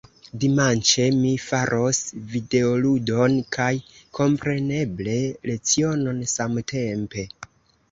Dimanĉe, mi faros videoludon kaj kompreneble lecionon samtempe.